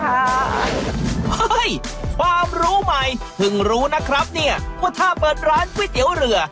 เฮ้ยความรู้ใหม่เพิ่งรู้นะครับเนี่ยว่าถ้าเปิดร้านก๋วยเตี๋ยวเรือ